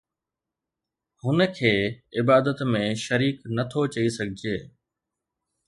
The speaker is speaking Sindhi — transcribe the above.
هن کي عبادت ۾ شريڪ نه ٿو چئي سگهجي